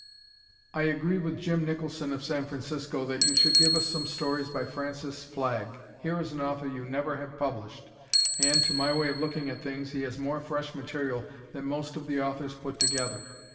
I agree with Jim Nicholson of San Francisco that you should give us some stories by Francis Flagg. Here is an author you never have published, and, to my way of looking at things, he has more fresh material than most of the authors put together.